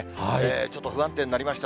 ちょっと不安定になりました。